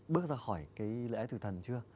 bước ra khỏi cái lễ từ thần chưa